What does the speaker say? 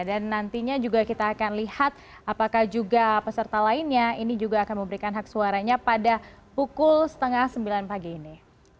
dan nantinya kita akan lihat apakah juga peserta lainnya ini juga akan memberikan hak suaranya pada pukul setengah sembilan pagi ini